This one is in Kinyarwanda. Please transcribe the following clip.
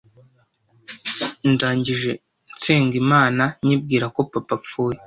ndangije nsenga Imana nyibwira ko papa apfuye